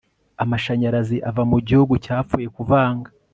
Amashanyarazi ava mu gihugu cyapfuye kuvanga